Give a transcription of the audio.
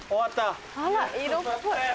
あら色っぽい。